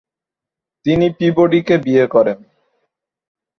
তিনি পিবডিকে বিয়ে করেন।